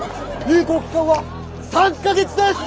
有効期間は３か月です！